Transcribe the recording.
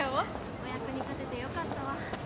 お役に立ててよかったわ。